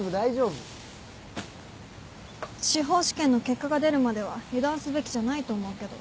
司法試験の結果が出るまでは油断すべきじゃないと思うけど。